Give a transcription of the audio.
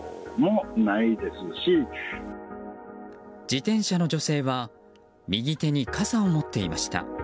自転車の女性は右手に傘を持っていました。